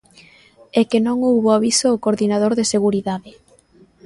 E que non houbo aviso ao coordinador de seguridade.